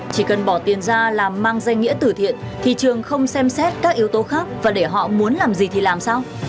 chỉ cần bỏ tiền ra làm mang danh nghĩa tử thiện thì trường không xem xét các yếu tố khác và để họ muốn làm gì thì làm sao